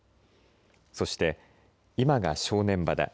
そして、今が正念場だ。